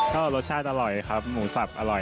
ก็รสชาติอร่อยครับหมูสับอร่อย